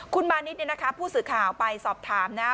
คุณมานิสผู้สื่อข่าวไปสอบถามนะ